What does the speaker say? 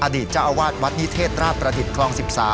อดีตเจ้าอาวาสวัดนิเทศราชประดิษฐ์คลอง๑๓